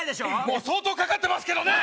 もう相当かかってますけどね！